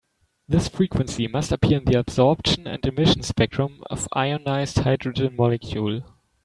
This frequency must appear in the absorption and emission spectrum of ionized hydrogen molecule.